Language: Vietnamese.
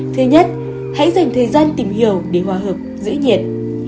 thứ nhất hãy dành thời gian tìm hiểu để hòa hợp giữ nhiệt